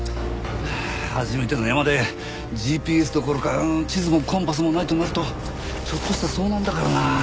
初めての山でＧＰＳどころか地図もコンパスもないとなるとちょっとした遭難だからな。